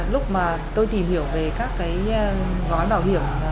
lúc mà tôi tìm hiểu về các cái gói bảo hiểm